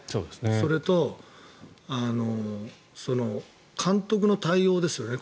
それと、監督の対応ですよね。